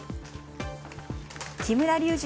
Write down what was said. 木村隆二